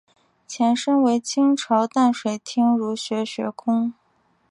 前身为清朝淡水厅儒学学宫。